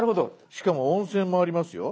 しかも温泉もありますよ。